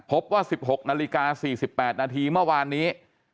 พบว่า๑๖นาฬิกา๔๘นาทีเมื่อวานนี้